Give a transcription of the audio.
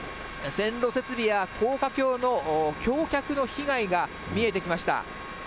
線路設備や高架橋の橋脚の被害が見えてきました。